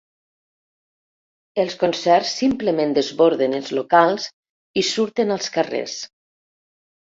Els concerts simplement desborden els locals i surten als carrers.